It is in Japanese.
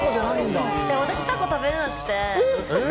私、たこ食べれなくて。